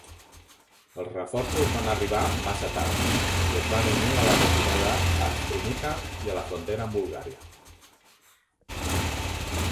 Els reforços van arribar massa tard i es van unir a la retirada a Strumica i la frontera amb Bulgària.